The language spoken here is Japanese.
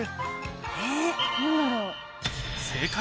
・・えっ何だろう？